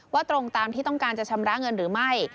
ตรงตามที่ต้องการจะชำระเงินหรือไม่